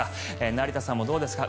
成田さんもどうですか。